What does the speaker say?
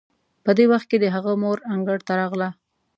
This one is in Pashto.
په دې وخت کې د هغه مور انګړ ته راغله.